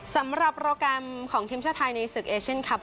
สำหรับโปรแกรมของทีมชาติไทยในศึกเอเชียนคลับ